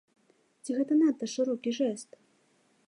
Ці гэта надта шырокі жэст?